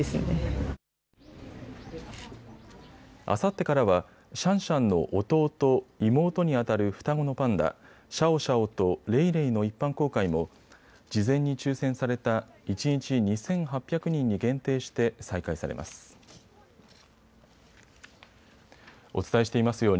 あさってからはシャンシャンの弟、妹にあたる双子のパンダ、シャオシャオとレイレイの一般公開も事前に抽せんされた一日２８００人に限定して再開されます。